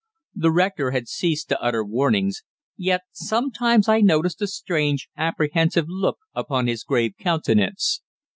The rector had ceased to utter warnings, yet sometimes I noticed a strange, apprehensive look upon his grave countenance.